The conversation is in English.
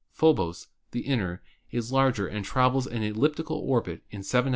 Phobos, the inner, is the larger and traverses an elliptical orbit in 7 h.